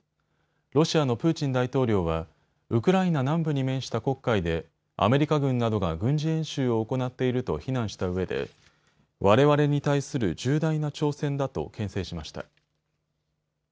ロシアのプーチン大統領はウクライナ南部に面した黒海でアメリカ軍などが軍事演習を行っていると非難したうえでわれわれに対する重大な挑戦だとけん制しました。